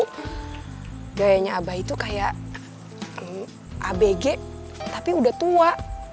gayanya abah itu kayak abg tapi udah tua